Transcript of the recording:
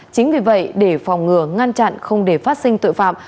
chính vì vậy để phòng ngừa ngăn chặn không để phát sinh tội phạm